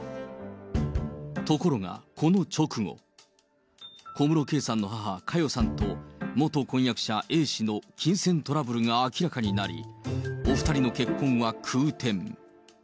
ところが、この直後、小室圭さんの母、佳代さんと元婚約者Ａ氏の金銭トラブルが明らかになり、お２人の結婚は空転。